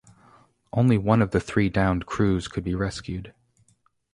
Only one of the three downed crews could be rescued.